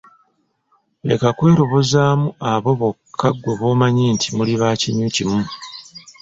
Leka kwerobozaamu abo bokka ggwe bomanyi nti muli bakinywi kimu.